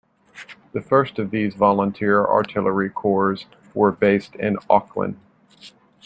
The first of these Volunteer Artillery Corps were based in Auckland.